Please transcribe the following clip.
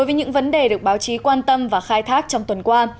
và những báo chí quan tâm và khai thác trong tuần qua